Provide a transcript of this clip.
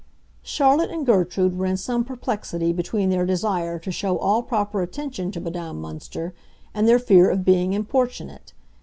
Charlotte and Gertrude were in some perplexity between their desire to show all proper attention to Madame Münster and their fear of being importunate.